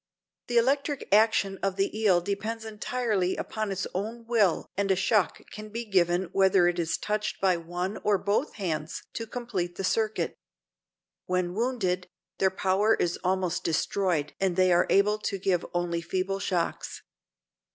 The electric action of the eel depends entirely upon its own will and a shock can be given whether it is touched by one or both hands to complete the circuit. When wounded, their power is almost destroyed and they are able to give only feeble shocks.